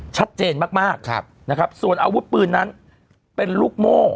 ชัดเจนมากนะครับส่วนอาวุธปืนนั้นเป็นลูกโม่